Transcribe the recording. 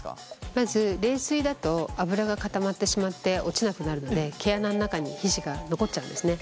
まず冷水だと脂が固まってしまって落ちなくなるので毛穴の中に皮脂が残っちゃうんですね。